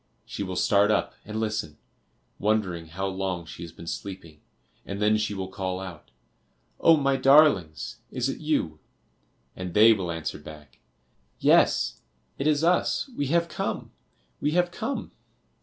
She will start up and listen, wondering how long she has been sleeping, and then she will call out "Oh, my darlings, is it you?" And they will answer back "Yes, it is us, we have come, we have come!"